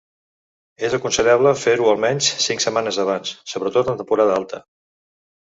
És aconsellable fer-ho almenys cinc setmanes abans, sobretot en temporada alta.